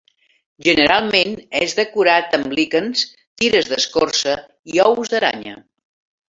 Generalment és decorat amb líquens, tires d'escorça i ous d'aranya.